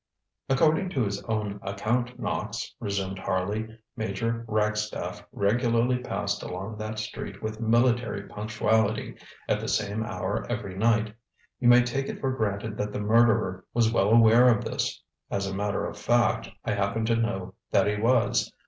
ŌĆ£According to his own account, Knox, ŌĆØ resumed Harley, ŌĆ£Major Ragstaff regularly passed along that street with military punctuality at the same hour every night. You may take it for granted that the murderer was well aware of this. As a matter of fact, I happen to know that he was.